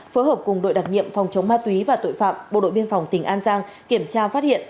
phối hợp cùng đội đặc nhiệm phòng chống ma túy và tội phạm bộ đội biên phòng tỉnh an giang kiểm tra phát hiện